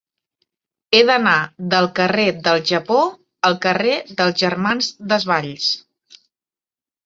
He d'anar del carrer del Japó al carrer dels Germans Desvalls.